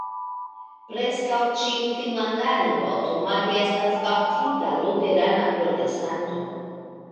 Preskaŭ ĉiu finnlandano aŭtomate estas baptita luterana protestanto.